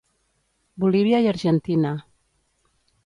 Bolívia i Argentina.